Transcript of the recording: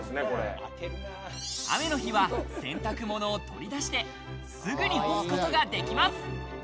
雨の日は洗濯物を取り出して、すぐに干すことができます。